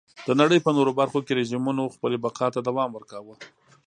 د نړۍ په نورو برخو کې رژیمونو خپلې بقا ته دوام ورکاوه.